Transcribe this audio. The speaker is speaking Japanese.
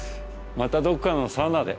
またどこかのサウナで。